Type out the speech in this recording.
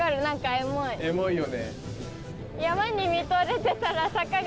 エモいよね。